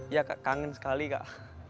ya kak kangen sekali kak